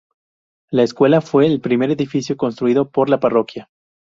La escuela fue el primer edificio construido por la parroquia.